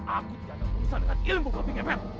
aku tidak ada perusahaan dengan ilmu babi ngepet